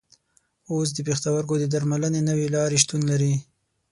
اوس د پښتورګو د درملنې نوې لارې شتون لري.